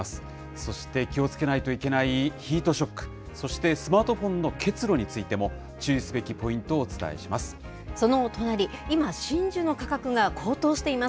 そして、気をつけないといけないヒートショック、そしてスマートフォンの結露についても、注意すべきポイントをおそのお隣、今、真珠の価格が高騰しています。